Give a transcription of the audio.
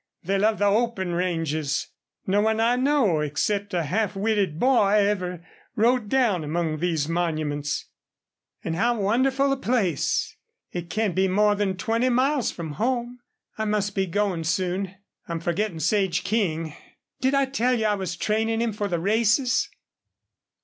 They love the open ranges. No one I know, except a half witted boy, ever rode down among these monuments. And how wonderful a place! It can't be more than twenty miles from home.... I must be going soon. I'm forgetting Sage King. Did I tell you I was training him for the races?"